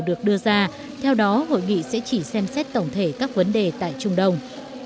được đưa ra theo đó hội nghị sẽ chỉ xem xét tổng thể các vấn đề tại trung đông